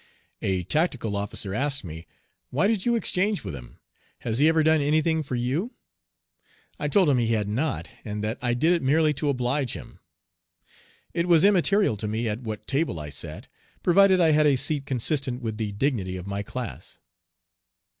A tactical officer asked me, "Why did you exchange with him? Has he ever done any thing for you?" I told him he had not, and that I did it merely to oblige him. It was immaterial to me at what table I sat, provided I had a seat consistent with the dignity of my class.